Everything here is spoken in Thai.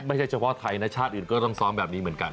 ไม่ใช่เฉพาะไทยนะชาติอื่นก็ต้องซ้อมแบบนี้เหมือนกัน